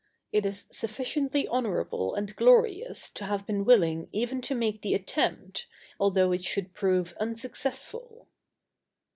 It is sufficiently honorable and glorious to have been willing even to make the attempt, although it should prove unsuccessful.